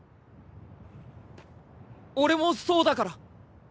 俺もそうだから！